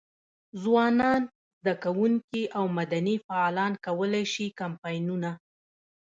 ځوانان، زده کوونکي او مدني فعالان کولای شي کمپاینونه.